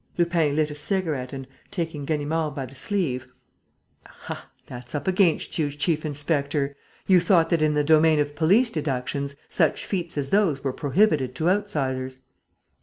Lupin lit a cigarette and, taking Ganimard by the sleeve: "Aha, that's up against you, chief inspector! You thought that, in the domain of police deductions, such feats as those were prohibited to outsiders!